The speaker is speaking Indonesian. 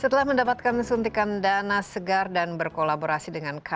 setelah mendapatkan suntikan dana segar dan berkolaborasi dengan kpk